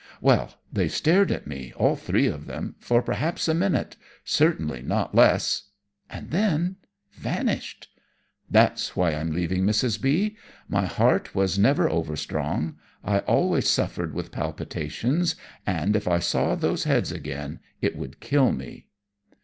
Well, they stared at me, all three of them, for perhaps a minute, certainly not less, and then vanished. That's why I'm leaving, Mrs. B . My heart was never overstrong. I always suffered with palpitations, and if I saw those heads again, it would kill me."